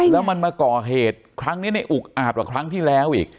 แล้วมันมาก่อเหตุครั้งนี้ในอุกอาจกว่าครั้งที่แล้วอีก